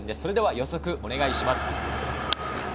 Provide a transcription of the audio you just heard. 予測をお願いします。